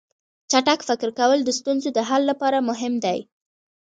چټک فکر کول د ستونزو د حل لپاره مهم دي.